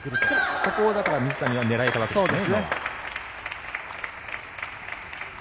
そこを水谷は狙えたわけですね。